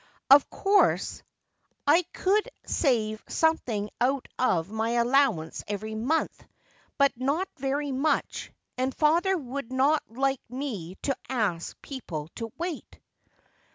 Of course I could save something out of my allowance every month, but not very much, and father would not like me to ask people to wait."